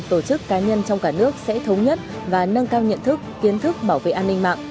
tổ chức cá nhân trong cả nước sẽ thống nhất và nâng cao nhận thức kiến thức bảo vệ an ninh mạng